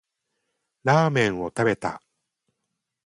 ラーメンを食べた